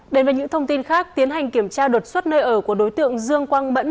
đến với những thông tin khác tiến hành kiểm tra đột xuất nơi ở của đối tượng dương quang bẫn